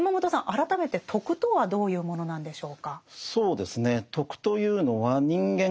改めて「徳」とはどういうものなんでしょうか？